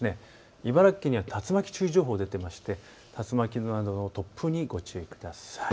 茨城県には竜巻注意情報が出ていて竜巻などの突風にご注意ください。